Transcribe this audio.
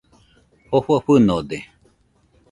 Jofo fɨnode